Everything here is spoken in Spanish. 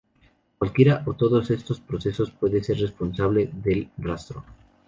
Cualquiera o todos estos procesos puede ser responsable del rastro.